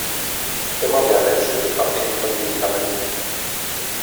Immer mehr Menschen sind abhängig von Medikamenten.